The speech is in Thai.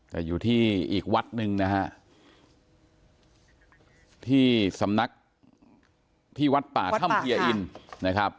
แต่อยู่ที่อีกวัดหนึ่งนะฮะที่สำนักที่วัดป่าถ้ำเพียอินนะครับ